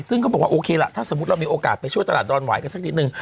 ซึ่งเขาบอกว่าโอเคล่ะถ้าสมมุติเรามีโอกาสไปช่วยตลาดดอนหวายกันสักนิดนึง